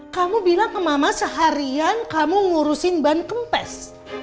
kamu bilang ke mama mama seharian kamu ngurusin ban kempes